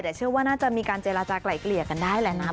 แต่เชื่อว่าน่าจะมีการเจรจากลายเกลี่ยกันได้แหละนะ